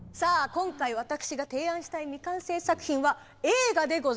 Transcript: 今回私が提案したい未完成作品は映画でございます。